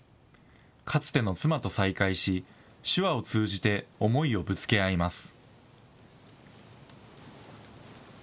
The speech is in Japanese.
かつての妻と再会し、手話を通じて思いをぶつけ合います。